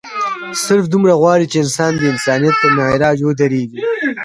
صرف دومره غواړي چې انسان د انسانيت پۀ معراج اودريږي